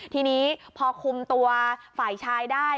ทีนี้พอคุมตัวฝ่ายชายได้